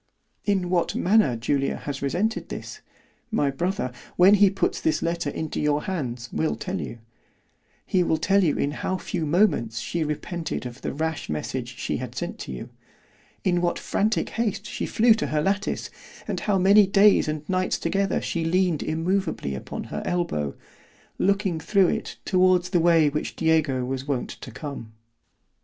"In what manner Julia has resented this——my brother, when he puts this letter into your hands, will tell you; He will tell you in how few moments she repented of the rash message she had sent you——in what frantic haste she flew to her lattice, and how many days and nights together she leaned immoveably upon her elbow, looking through it towards the way which Diego was wont to come.